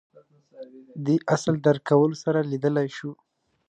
دې اصل درک کولو سره لیدلای شو